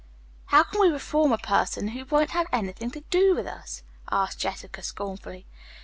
"How can we reform a person who won't have anything to do with us?" asked Jessica scornfully.